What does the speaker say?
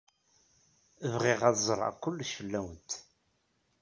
Bɣiɣ ad ẓreɣ kullec fell-awent.